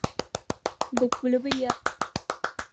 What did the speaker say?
Bɛ kuli bɛ ya.